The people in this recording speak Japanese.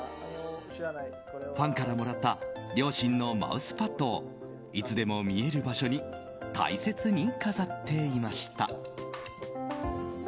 ファンからもらった両親のマウスパッドをいつでも見える場所に大切に飾っていました。